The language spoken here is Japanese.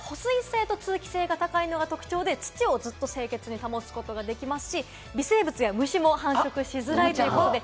保水性と通気性が高いのが特徴で、土をずっと清潔に保つことができますし、微生物や虫も繁殖しづらいということです。